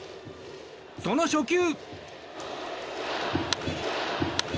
その初球。